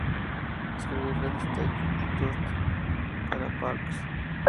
Escribí Red State y Tusk para Parks.